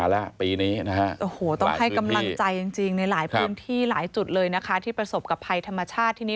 ที่ประสบกับภัยธรรมชาติที่นี่